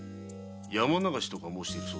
「山流し」とか申しておるそうだな？